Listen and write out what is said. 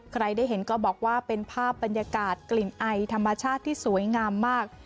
ใครได้เห็นก็บอกว่าเป็นภาพบรรยากาศกลิ่นไอธรรมชาติที่สวยงามมาก